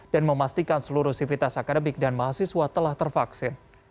dan memastikan seluruh sivitas akademik dan mahasiswa telah tervaksin